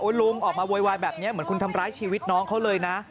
ลุงออกมาโวยวายแบบนี้เหมือนคุณทำร้ายชีวิตน้องเขาเลยนะ